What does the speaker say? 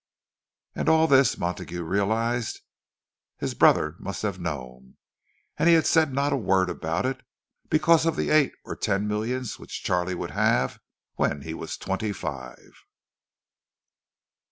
And all this, Montague realized, his brother must have known! And he had said not a word about it—because of the eight or ten millions which Charlie would have when he was twenty five!